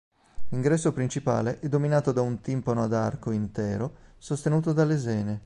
L'ingresso principale è dominato da un timpano ad arco intero sostenuto da lesene.